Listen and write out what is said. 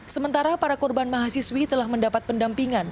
sementara para korban mahasiswi telah mendapat pendampingan